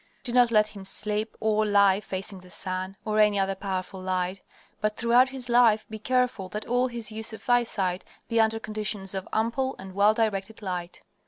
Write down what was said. Do not let him sleep, or lie, facing the sun, or any other powerful light, but throughout his life be careful that all his use of eyesight be under conditions of ample and well directed light.